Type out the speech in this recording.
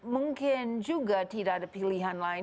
mungkin juga tidak ada pilihan lain